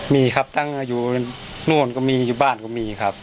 มีครับตั้งอยู่นู่นก็มีอยู่บ้านก็มีครับ